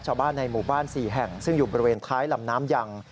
ชาวบ้านในหมู่บ้าน๔แห่งซึ่งอยู่บริเวณท้ายลำน้ำยัง